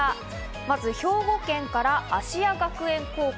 まず兵庫県から芦屋学園高校。